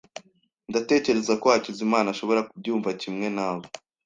Ndatekereza ko Hakizimana ashobora kubyumva kimwe nawe.